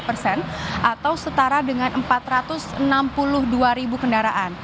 jadi persentase sebanyak lima puluh tujuh tiga persen atau setara dengan empat ratus enam puluh dua ribu kendaraan